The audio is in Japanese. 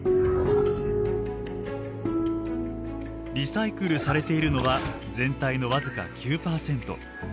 リサイクルされているのは全体の僅か９％。